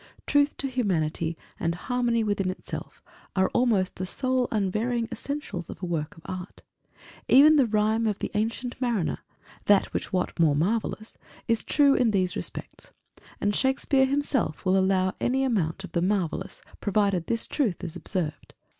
Truth to Humanity, and harmony within itself, are almost the sole unvarying essentials of a work of art. Even The Rime of the Ancient Mariner than which what more marvellous? is true in these respects. And Shakespere himself will allow any amount of the marvellous, provided this truth is observed.